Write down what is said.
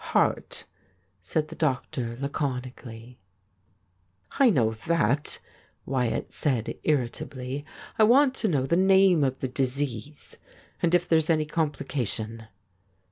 ' Heart,' said the doctor laconi cally. ' I know that,' Wyatt said irritably. ' I want to know the name of the disease, and if there's any complica tion.'